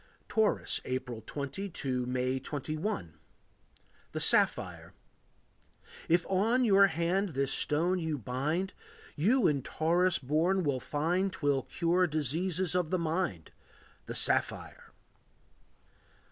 Taurus. April 20 to May 21. The Sapphire. If on your hand this stone you bind, You in Taurus born will find 'Twill cure diseases of the mind, The sapphire.